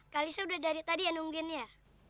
kak alisa udah dari tadi ya nunggin ya